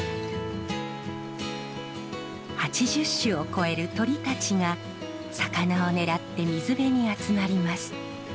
８０種を超える鳥たちが魚を狙って水辺に集まります。